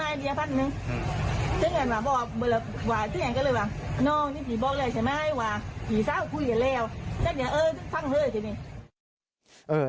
แต่ทีนี้คุยกับเจ้านี้เรียบร้อยแล้ว